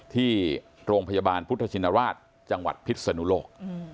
ที่โรงพยาบาลพุทธชินราชจังหวัดพิษนุโลก